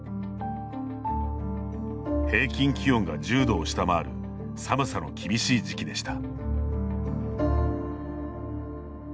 平均気温が１０度を下回る寒さの厳しい時期でした。